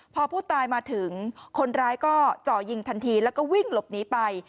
พอผู้ตายมาถึงคนร้ายก็เจาะยิงทันทีแล้วก็วิ่งหลบหนีไป